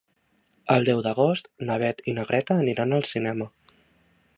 El deu d'agost na Beth i na Greta aniran al cinema.